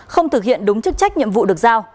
không thực hiện đúng chức trách nhiệm vụ được giao